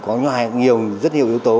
có rất nhiều yếu tố